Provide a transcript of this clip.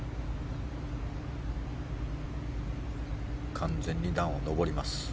完全に段を上ります。